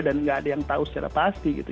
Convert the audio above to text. dan tidak ada yang tahu secara pasti gitu